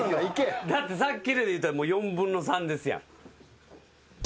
だってさっきでいうたら４分の３ですやん。